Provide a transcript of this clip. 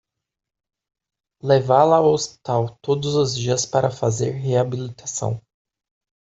Levá-la ao hospital todos os dias para fazer reabilitação